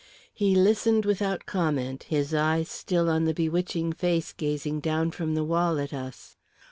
He listened without comment, his eyes still on the bewitching face gazing down from the wall at us.